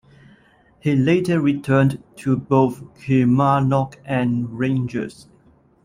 He later returned to both Kilmarnock and Rangers.